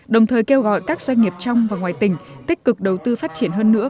đồng thời kêu gọi các doanh nghiệp trong và ngoài tỉnh tích cực đầu tư phát triển hơn nữa